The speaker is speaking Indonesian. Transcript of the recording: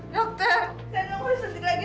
dokter saya tidak mau disuntik lagi